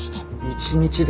１日で。